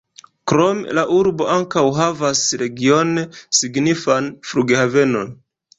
Krome la urbo ankaŭ havas regione signifan flughavenon.